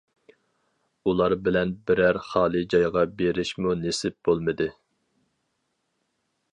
ئۇلار بىلەن بىرەر خالى جايغا بېرىشمۇ نېسىپ بولمىدى.